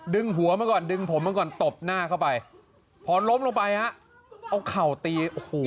หัวมาก่อนดึงผมมาก่อนตบหน้าเข้าไปพอล้มลงไปฮะเอาเข่าตีโอ้โห